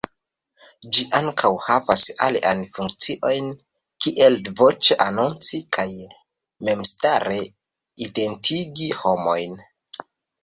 Ĝi ankaŭ havas aliajn funkciojn, kiel voĉe anonci kaj memstare identigi homojn.